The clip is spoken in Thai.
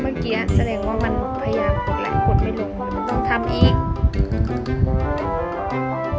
เมื่อกี้แสดงว่ามันพยายามกระแดกกดไม่ลง